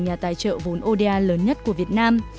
nhà tài trợ vốn oda lớn nhất của việt nam